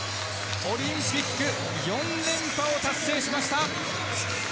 オリンピック４連覇を達成しました。